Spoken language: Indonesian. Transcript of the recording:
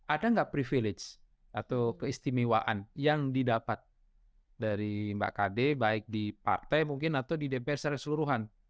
ada nggak privilege atau keistimewaan yang didapat dari mbak kd baik di partai mungkin atau di dpr secara seluruhan